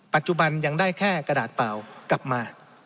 ปัจจุบันยังได้แค่กระดาษเปล่ากลับมา